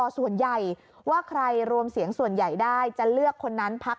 ส่วนใหญ่ว่าใครรวมเสียงส่วนใหญ่ได้จะเลือกคนนั้นพัก